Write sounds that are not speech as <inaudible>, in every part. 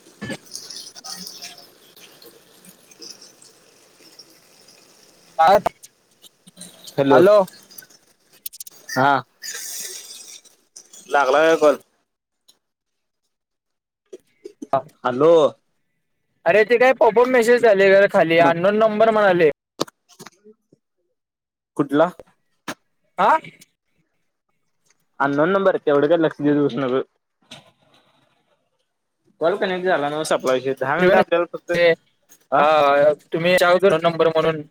<inaudible> का हॅलो हा लागला का कोण हा हॅलो अरे ते काय पपप मेसेज झाले ग खाली अन नोन नंबर म्हणाले कुठला आं अ नोन नंबर य ते एवढ का लक्ष दिऊस नकू कॉ कनेक्ट झाला ना सप्ला हा तुम्ही सांगत नंबर म्हणून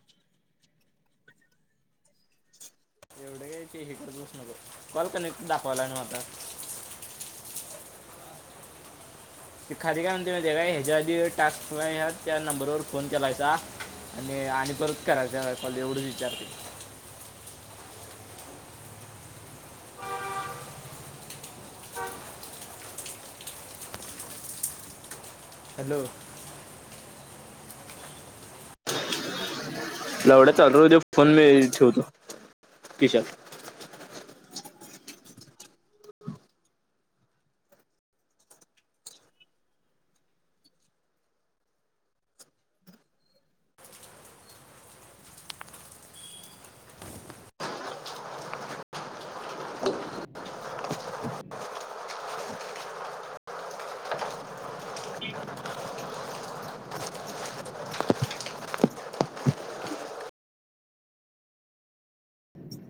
एवढे कायचे हटच बस नको बॉल का दाखवला आता खा्री काय म्हणते काय ह्याच्या आध टास्क त्या नंबरवर फोन केलायचा आणि आणि परच करायच एवढंच विचारते हॅलो लावड्या चालू हो फोन मी ठेवतो किशात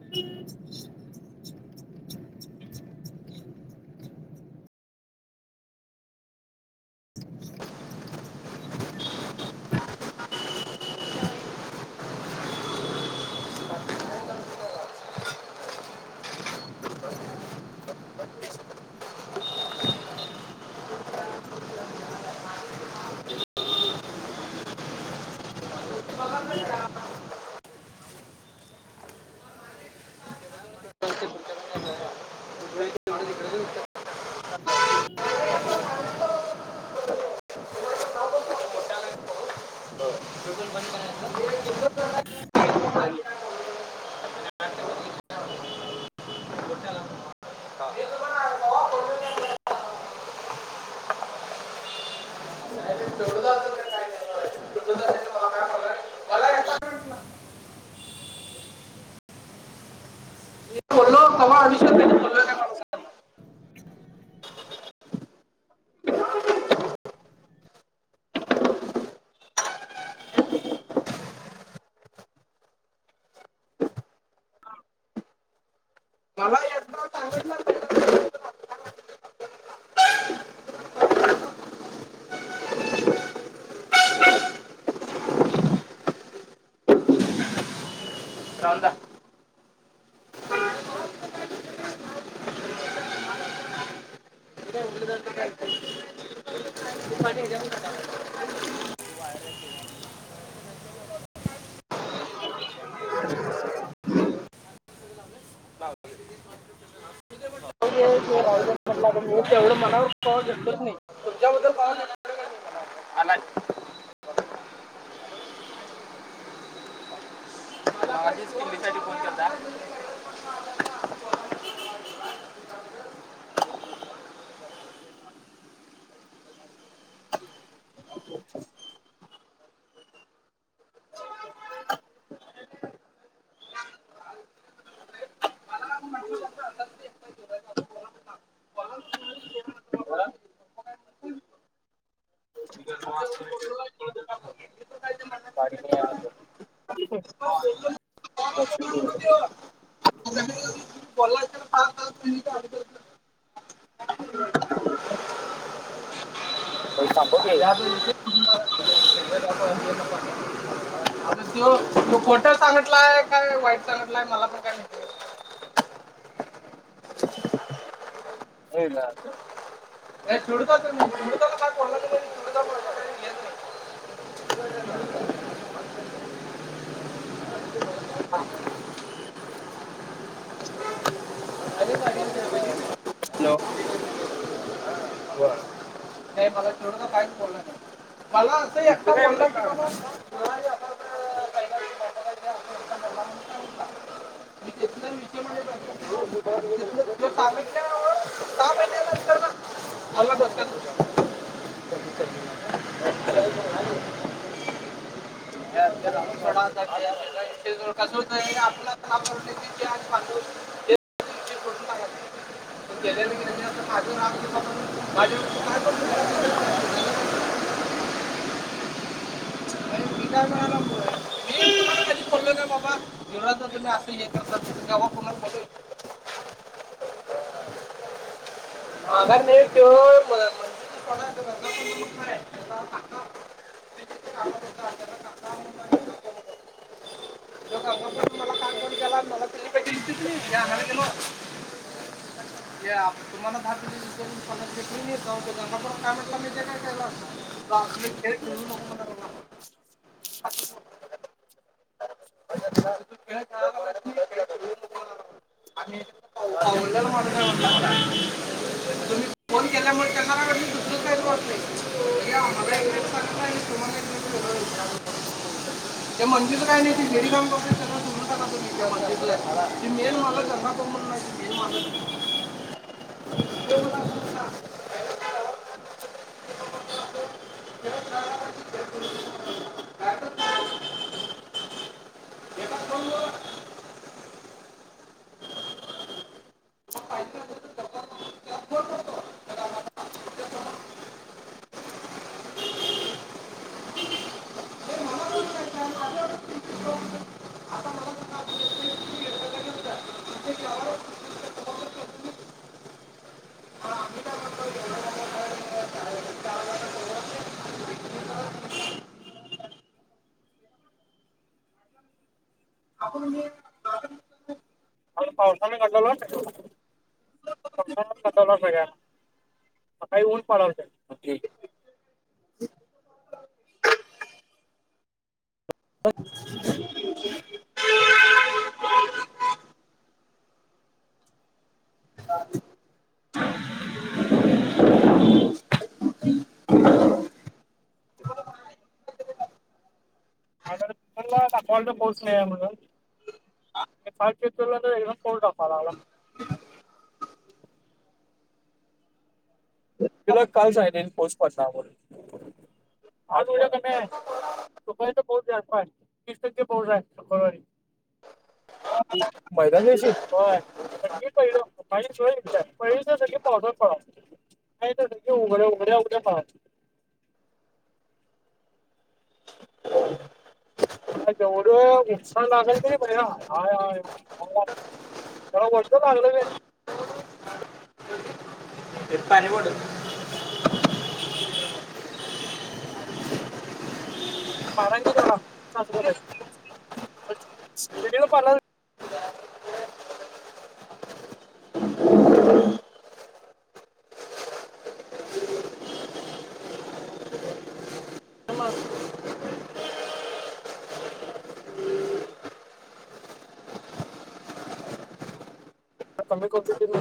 ह् <unintelligible> तेज <inaudible> <inaudible> बोललो क आविष बोललो का <inaudible> हा <unintelligible> तेवढं <inaudible> <unintelligible> तेवढं मनावर कवा घेतलच नाही. <unintelligible> <unintelligible> <unintelligible> <unintelligible> <unintelligible> <inaudible> बोलला असला <inaudible> <unintelligible> पैसापके <unintelligible> आता त्यो तो खोटं सांगटलाय? काय वाईट सांगटलाय? मला पण काय माहिती <unintelligible> सोडुतात <unintelligible> काय बोलाचं <unintelligible> हलो व्हय, नाही मला ठेडू नं कायच बोलला नई. मला असं एकच <inaudible> एकटा बोलला म्हणून सांगितला. <unintelligible> <inaudible> <inaudible> आपलं <inaudible> <unintelligible> <inaudible> तुम्ही असं हे करता... केव्हा कुणाला बोललोय का? पगार नई त्यो, म <unintelligible> <inaudible> <unintelligible> <unintelligible> या, तुम्हांना धा किलो <unintelligible> पंधरा देतोय मी <unintelligible> काय म्हटला माहिते काय कैलास? <unintelligible> <unintelligible> <unintelligible> <unintelligible> तुम्ही फोन केल्यामुळे तेन्ना अन् दुसरंच कायतर वाजतंय. या आपल्या <unintelligible> ते मंदिचं काय मी आता <unintelligible> काम करतोय. <unintelligible> ते मेन मालक दंगा कून म्हटलाय, मेन मालक. <unintelligible> आण गड पावसाने घडलेला <unintelligible> कंपनन गंडवलाय सगळ्यांना, सकाळी ऊन पडाल्तं. <unintelligible> <inaudible> <unintelligible> दाखवाल्तं पाऊस नई आय म्हणून यात पात पेत करूला त इवन स्कोर दाखवा लागला. तिला काय <unintelligible> पौस पडणार मनून. आज वेळ कमी आय. तो पाॅईंट पौस जास्त आय, तीस टक्के पौस आय मंगळवारी. <inaudible> मैदान देशी? व्हय. <unintelligible> नाही तर <unintelligible> उघड्या उघड्या <unintelligible> फार. मला जेवढं नुस्कान लागल क नई परव्या, आया यायाया. जरा वरचं बांदला नईस? अं ते पानी बॉटल. मारजी झाला सास ज पाला ह कमी के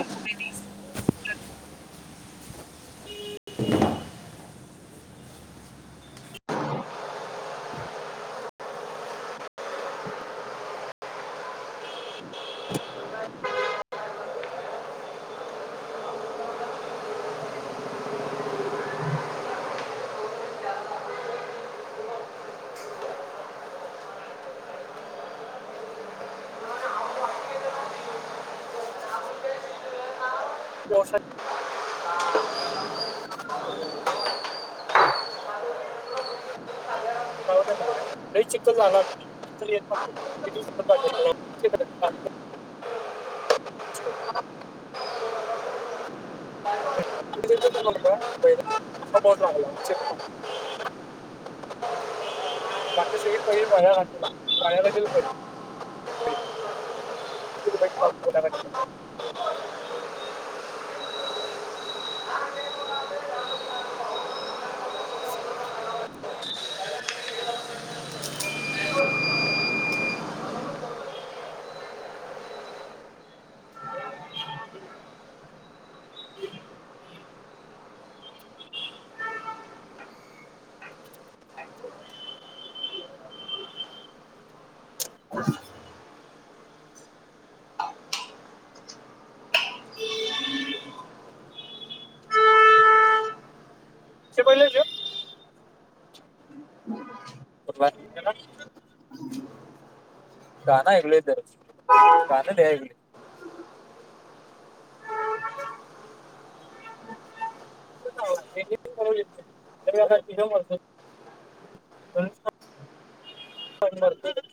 करुमेस जशा हो का चिककल झाला ि आहे चा <inaudible> <inaudible> येतच का बै असा पोला बाकी सगळी पहि वया्यालाला वया्यालाील पहि ो <inaudible> ते पहिलेच करला गना हगलेार गन न हगली <inaudible> प मत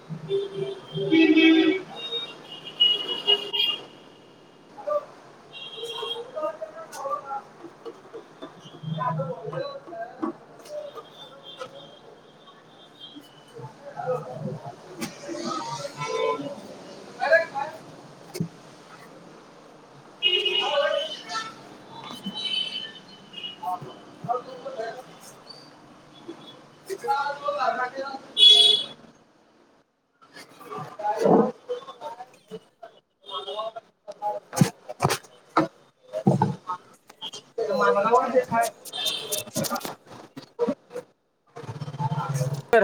हम् अरे माग वाेय <inaudible> र